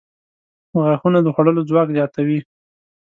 • غاښونه د خوړلو ځواک زیاتوي.